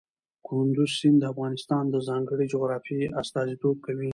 کندز سیند د افغانستان د ځانګړي جغرافیه استازیتوب کوي.